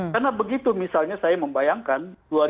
karena begitu misalnya saya membayangkan